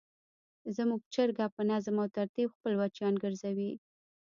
زموږ چرګه په نظم او ترتیب خپل بچیان ګرځوي.